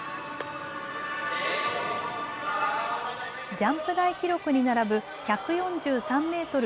ジャンプ台記録に並ぶ１４３メートル